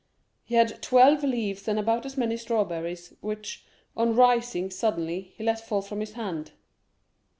He had twelve leaves and about as many strawberries, which, on rising suddenly, he let fall from his hand.